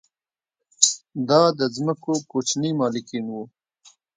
دا د ځمکو کوچني مالکین وو